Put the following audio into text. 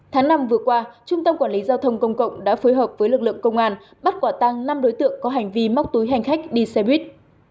tháng năm vừa qua trung tâm quản lý giao thông công cộng đã phối hợp với lực lượng công an bắt quả tăng năm đối tượng có hành vi móc túi hành khách đi xe buýt